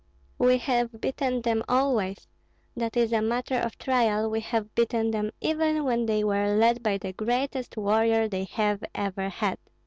We have beaten them always, that is a matter of trial; we have beaten them even when they were led by the greatest warrior they have ever had."